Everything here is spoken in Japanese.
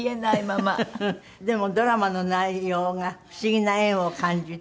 でもドラマの内容が不思議な縁を感じて。